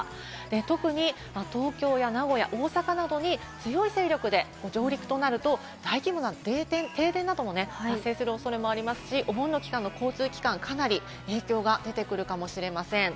特に東京や名古屋、大阪などに強い勢力で上陸となると、大規模な停電なども発生する恐れがありますし、お盆の期間の交通機関、かなり影響が出てくるかもしれません。